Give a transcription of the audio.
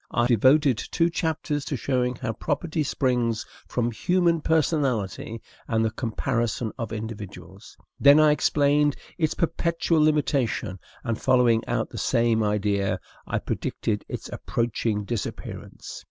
I devoted two chapters to showing how property springs from human personality and the comparison of individuals. Then I explained its perpetual limitation; and, following out the same idea, I predicted its approaching disappearance.